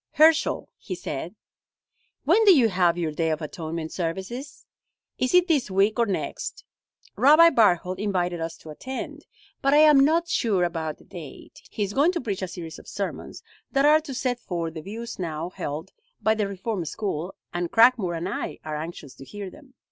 "Herschel," he said, "when do you have your Day of Atonement services? Is it this week or next? Rabbi Barthold invited us to attend, but I am not sure about the date. He is going to preach a series of sermons that are to set forth the views now held by the Reform school, and Cragmore and I are anxious to hear them."